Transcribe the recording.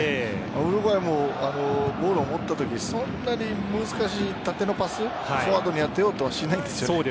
ウルグアイもボールを持ったときそんなに難しい縦のパスフォワードに当てようとはしないですよね。